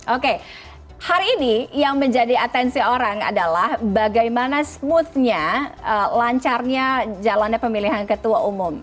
oke hari ini yang menjadi atensi orang adalah bagaimana smooth nya lancarnya jalannya pemilihan ketua umum